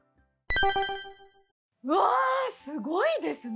うわぁすごいですね。